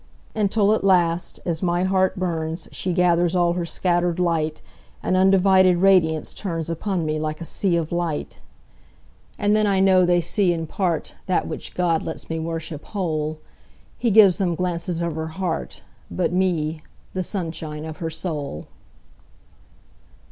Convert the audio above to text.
Until at last, as my heart burns, She gathers all her scatter'd light, And undivided radiance turnsUpon me like a sea of light. And then I know they see in partThat which God lets me worship whole:He gives them glances of her heart, But me, the sunshine of her soul.